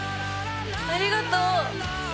ありがとう！